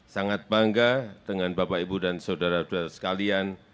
sangat bangga dengan bapak ibu dan saudara saudara sekalian